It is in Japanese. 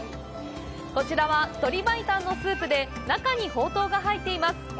こちらは鶏白湯のスープで、中にほうとうが入っています。